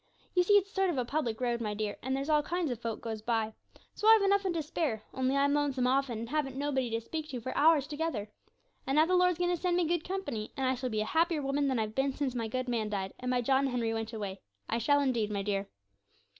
You see it's a sort of a public road, my dear, and there's all kinds of folk goes by. So I've enough and to spare; only I'm lonesome often, and haven't nobody to speak to for hours together. And now the Lord's going to send me good company, and I shall be a happier woman than I've been since my good man died, and my John Henry went away; I shall indeed, my dear.'